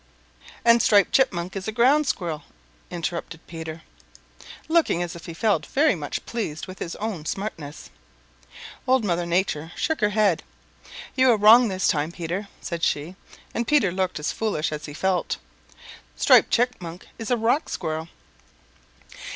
"And Striped Chipmunk is a Ground Squirrel," interrupted Peter, looking as if he felt very much pleased with his own smartness. Old Mother Nature shook her head. "You are wrong this time, Peter," said she, and Peter looked as foolish as he felt. "Striped Chipmunk is a Rock Squirrel.